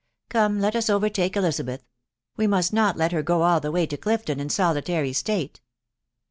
Come, let us overtake Elisabeth; we mast not let her go all the way to Clifton in solitary state."